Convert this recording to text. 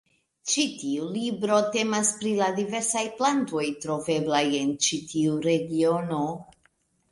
Ĉi tiu libro temas pri la diversaj plantoj troveblaj en ĉi tiu regiono.